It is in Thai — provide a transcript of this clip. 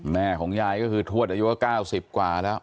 แม่ของยายก็คือทวดอายุก็๙๐กว่าแล้ว